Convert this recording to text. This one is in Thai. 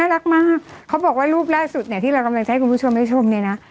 รักมากเขาบอกว่ารูปล่าสุดเนี่ยที่เรากำลังจะให้คุณผู้ชมได้ชมเนี่ยนะ